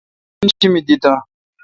کمِن شی مے دہتہ؟